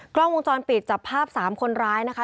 กล้องวงจรปิดจับภาพ๓คนร้ายนะคะ